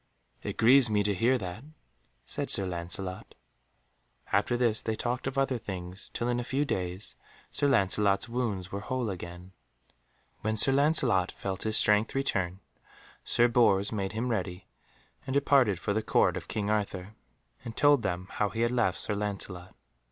"It grieves me to hear that," said Sir Lancelot. After this they talked of other things, till in a few days Sir Lancelot's wounds were whole again. When Sir Lancelot felt his strength return, Sir Bors made him ready, and departed for the Court of King Arthur, and told them how he had left Sir Lancelot.